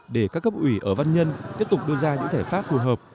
để các cấp ủy ở văn nhân tiếp tục đưa ra những giải pháp phù hợp